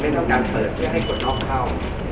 ไม่นำการเปิดให้คนนอกเข้า